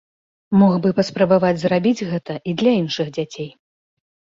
Мог бы паспрабаваць зрабіць гэта і для іншых дзяцей.